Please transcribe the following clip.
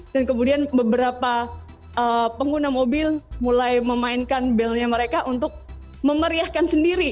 dan kemudian beberapa pengguna mobil mulai memainkan belnya mereka untuk memeriahkan sendiri